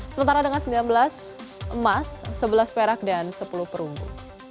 sementara dengan sembilan belas emas sebelas perak dan sepuluh perunggu